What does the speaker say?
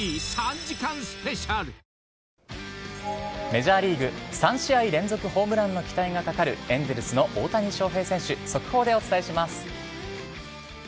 メジャーリーグ、３試合連続ホームランの期待がかかるエンゼルスの大谷翔平選手、速報でお伝えします。